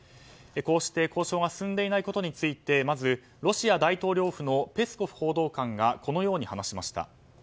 こうして交渉が進んでいないことについてまずロシア大統領府のペスコフ報道官がこのように話しました。